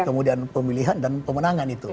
kemudian pemilihan dan pemenangan itu